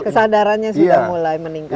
kesadarannya sudah mulai meningkat